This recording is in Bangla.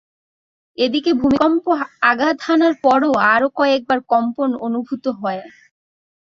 এদিকে ভূমিকম্প আঘাত হানার পরও আরো কয়েকবার কম্পন অনুভূত হয়।